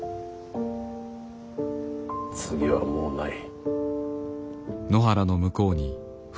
次はもうない。